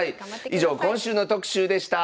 以上今週の特集でした。